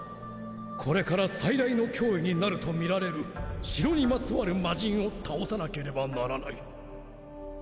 「これから最大の脅威になると見られる城にまつわるマジンを倒さなければならない」